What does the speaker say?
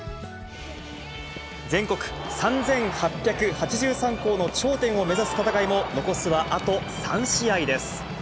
全国３８８３校の頂点を目指す戦いも残すはあと３試合です。